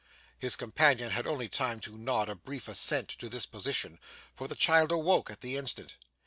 His companion had only time to nod a brief assent to this position, for the child awoke at the instant.